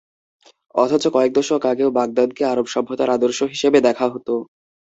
অথচ কয়েক দশক আগেও বাগদাদকে আরব সভ্যতার আদর্শ হিসেবে দেখা হতো।